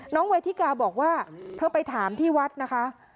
เวทิกาบอกว่าเธอไปถามที่วัดนะคะ